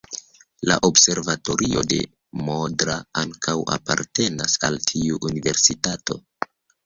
La observatorio de Modra ankaŭ apartenas al tiu universitato.